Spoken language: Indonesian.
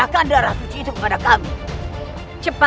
kalau kau ingin semua